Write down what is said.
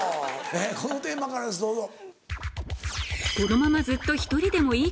このテーマからですどうぞ。